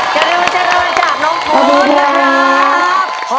เจริญเจริญจากน้องฟูนครับ